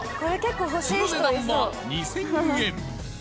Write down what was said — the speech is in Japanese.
その値段は２０００円